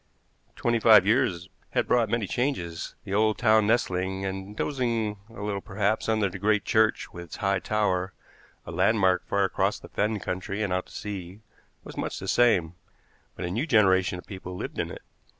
Twenty five years had brought many changes. The old town nestling, and dozing a little perhaps, under the great church with its high tower, a landmark far across the fen country and out to sea, was much the same; but a new generation of people lived in it.